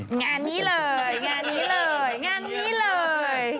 งานนี้เลยงานนี้เลย